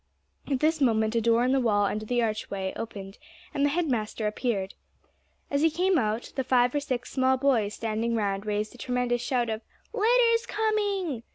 At this moment a door in the wall under the archway opened, and the head master appeared. As he came out the five or six small boys standing round raised a tremendous shout of "Litter's coming."